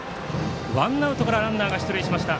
ワンアウトからランナーが出塁しました。